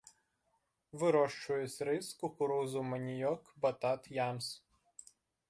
Вырошчваюць рыс, кукурузу, маніёк, батат, ямс.